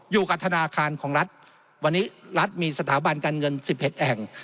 อยู่กับธนาคารของรัฐวันนี้รัฐมีสถาบันการเงิน๑๑แห่ง